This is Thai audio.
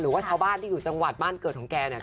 หรือว่าชาวบ้านที่อยู่จังหวัดบ้านเกิดของแกเนี่ย